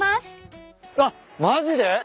あっマジで？